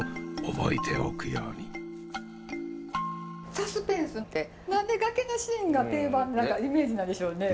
サスペンスって何で崖のシーンが定番のイメージなんでしょうね？